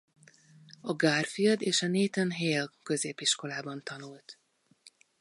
A Garfield és a Nathan Hale Középiskolában tanult.